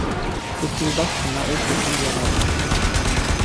Тик Юлдаш ҡына ул тиклем яратманы.